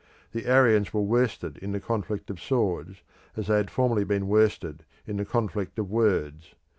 The Arians were worsted in the conflict of swords as they had formerly been worsted in the conflict of words.